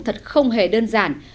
thật không hề đơn giản